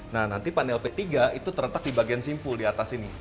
nah nanti panel p tiga itu terletak di bagian simpul di atas ini